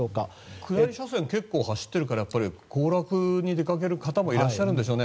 下り車線結構走ってるから行楽に出かける方もいらっしゃるんでしょうね。